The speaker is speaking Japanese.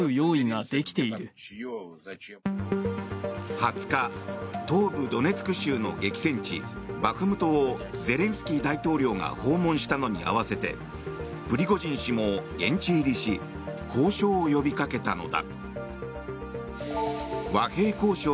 ２０日、東部ドネツク州の激戦地バフムトをゼレンスキー大統領が訪問したのに合わせてプリゴジン氏も現地入りし交渉を呼びかけたのだ。